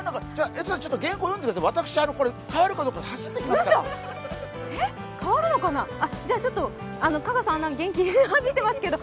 江藤さん原稿読んでください変わるかどうか走ってきますから。